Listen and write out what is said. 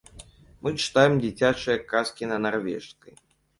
Мы чытаем дзіцячыя казкі на нарвежскай.